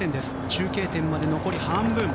中継点まで残り半分。